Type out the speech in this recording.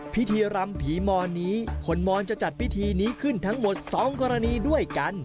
พิธีรำผีมอนนี้คนมอนจะจัดพิธีนี้ขึ้นทั้งหมด๒กรณีด้วยกัน